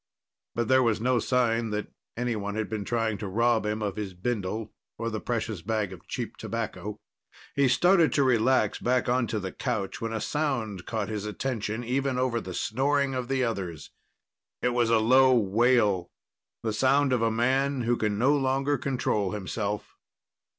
But there was no sign that anyone had been trying to rob him of his bindle or the precious bag of cheap tobacco. He started to relax back onto the couch when a sound caught his attention, even over the snoring of the others. It was a low wail, the sound of a man who can no longer control himself.